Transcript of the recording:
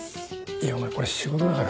いやこれ仕事だから。